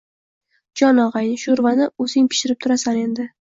– Jon og‘ayni, sho‘rvani o‘zing pishirib turasan endi